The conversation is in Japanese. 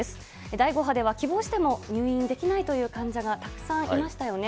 第５波では希望しても入院できないという患者がたくさんいましたよね。